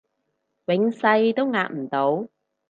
永世都壓唔到